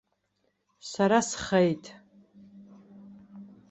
Сара схеит.